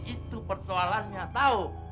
itu persoalannya tahu